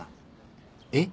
えっ？